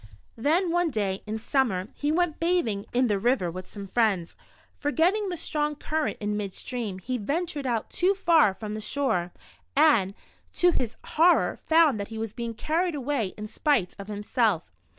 Then one day, in summer, he went bathing in the. river with some friends. Forgetting the strong current in mid stream, he ventured out too far from the shore, and, to his horror found that he was being carried away in spite of himself.